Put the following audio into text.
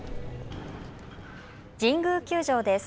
神宮球場です。